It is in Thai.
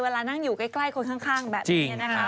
เวลานั่งอยู่ใกล้คนข้างแบบนี้